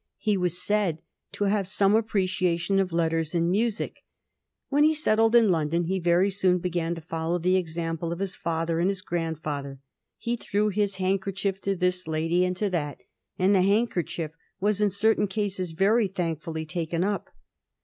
He was said to have some appreciation of letters and music. When he settled in London he very soon began to follow the example of his father and his grandfather; he threw his handkerchief to this lady and to that, and the handkerchief was in certain cases very thankfully taken up.